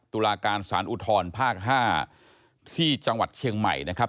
ตุลาการสารอุทธรภาค๕ที่จังหวัดเชียงใหม่นะครับ